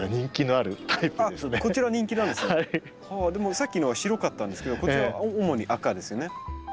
さっきのは白かったんですけどこちらは主に赤ですよね。